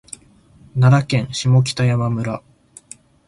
奈良県下北山村